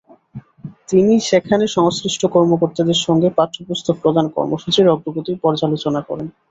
তিনি সেখানে সংশ্লিষ্ট কর্মকর্তাদের সঙ্গে পাঠ্যপুস্তক প্রদান কর্মসূচির অগ্রগতি পর্যালোচনা করেন।